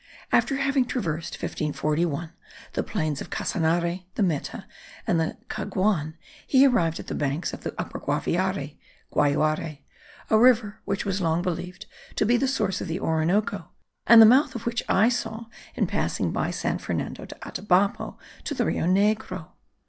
After having traversed (1541) the plains of Casanare, the Meta, and the Caguan, he arrived at the banks of the Upper Guaviare (Guayuare), a river which was long believed to be the source of the Orinoco, and the mouth of which I saw in passing by San Fernando de Atabapo to the Rio Negro.